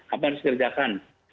apa yang harus dikerjakan